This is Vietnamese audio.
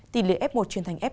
tỉ lệ f một chuyển thành f hai